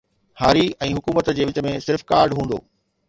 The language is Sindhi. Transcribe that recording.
هاري ۽ حڪومت جي وچ ۾ صرف ڪارڊ هوندو